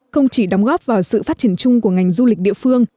không chỉ đóng góp vào sự phát triển chung của ngành du lịch địa phương